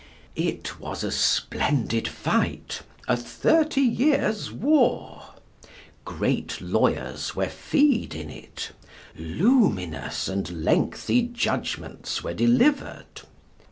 It was a splendid fight a Thirty Years' War. Great lawyers were fee'd in it; luminous and lengthy judgments were delivered.